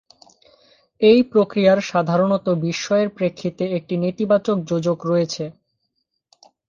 এই প্রতিক্রিয়ার সাধারণত বিস্ময়ের পরিপ্রেক্ষিতে একটি নেতিবাচক যোজক রয়েছে।